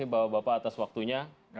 terima kasih bapak bapak atas waktunya